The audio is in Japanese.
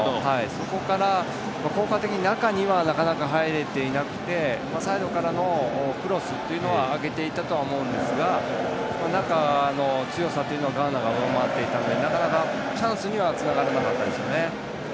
そこから効果的に中にはなかなか入れていなくてサイドからのクロスというのは上げていたと思いますが中の強さっていうのはガーナが上回っていたのでなかなかチャンスにはつながらなかったですよね。